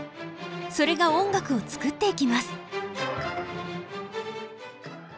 それが音楽を作っていきます。